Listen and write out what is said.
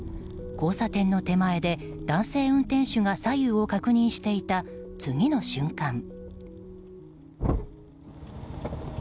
交差点の手前で男性運転手が左右を確認していた次の瞬間。